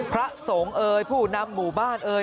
พระสงฆ์เอ่ยผู้นำหมู่บ้านเอ่ย